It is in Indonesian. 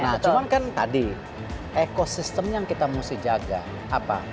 nah cuman kan tadi ekosistem yang kita mesti jaga apa